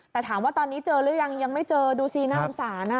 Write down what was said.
แต่ถามว่าตอนนี้เจอหรือยังยังไม่เจอดูสิน่าสงสาร